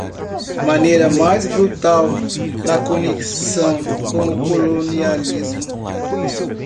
maneira mais brutal na conexão com o colonialismo